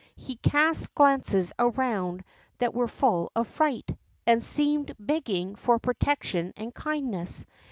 He cast glances around that were full of fright, and seemed beg ging for protection and kindness.